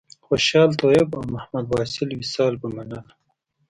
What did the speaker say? خوشحال طیب او محمد واصل وصال به منله.